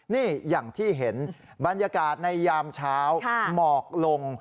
นี่อย่างที่เห็นบรรยากาศในยามเช้าหมอกลง